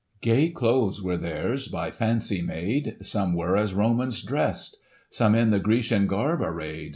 Gay clothes were theirs, by fancy made ; Some were as Romans drest. Some in the Grecian garb array'd.